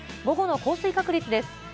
午後の降水確率です。